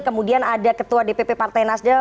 kemudian ada ketua dpp partai nasdem